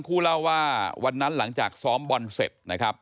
คู่เล่าว่าวันนั้นหลังจากส้อมบอลเสร็จ